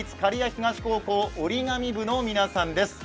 東高校・折り紙部の皆さんです。